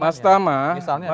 mas tama tahu enggak pak